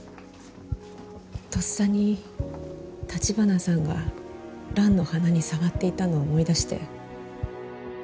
とっさに橘さんが蘭の花に触っていたのを思い出して。